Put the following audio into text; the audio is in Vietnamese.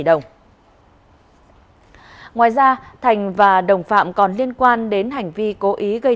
bởi vì họ đã phát triển tôi đến đây